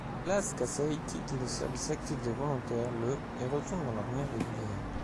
Silas Casey quitte le service actif des volontaires le et retourne dans l'armée régulière.